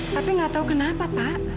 tapi nggak tahu kenapa pak